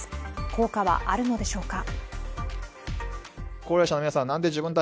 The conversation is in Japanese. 効果はあるのでしょうか。